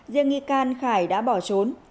riêng nghi can khải đã bỏ trốn